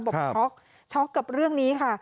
บอกช็อกช็อกกับเรื่องนี้ค่ะ